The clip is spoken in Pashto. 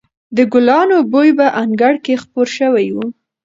د ګلانو بوی په انګړ کې خپور شوی و.